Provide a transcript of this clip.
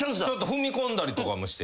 踏み込んだりとかもして。